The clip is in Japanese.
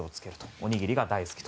おにぎりが大好きと。